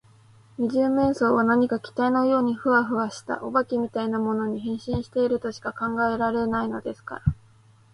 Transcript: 二十面相は何か気体のようにフワフワした、お化けみたいなものに、変身しているとしか考えられないのですから。